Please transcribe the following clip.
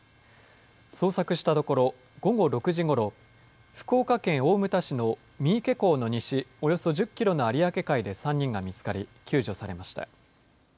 捜索したところ午後６時ごろ福岡県大牟田市の三池港の西およそ１０キロの有明海で３人が見つかり救助されました。